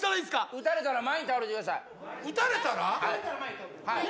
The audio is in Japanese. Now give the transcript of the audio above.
撃たれたら前に倒れてください・撃たれたら？